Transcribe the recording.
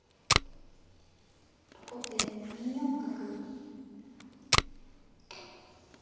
後手２四角。